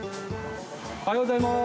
おはようございます。